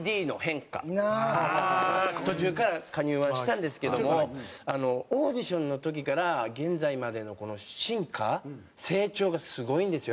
途中から加入はしたんですけどもオーディションの時から現在までの進化成長がすごいんですよ